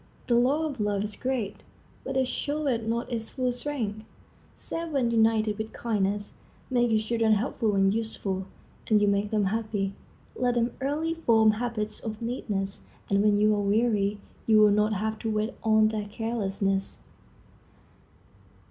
The law of love is great, but it showeth not its full strength, save when united with kindness. Make your children helpful and useful, and you make them happy. Let them early form habits of neatness, and when you are weary you will not have to wait on their carelessness.